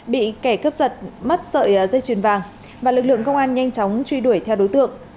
bị kẻ cướp giật mất sợi dây chuyền vàng và lực lượng công an nhanh chóng truy đuổi theo đối tượng